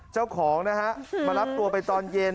เจ้าของนะฮะมารับตัวไปตอนเย็น